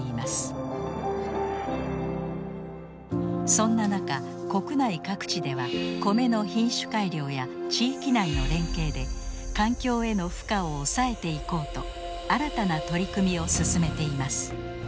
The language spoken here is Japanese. そんな中国内各地ではコメの品種改良や地域内の連携で環境への負荷を抑えていこうと新たな取り組みを進めています。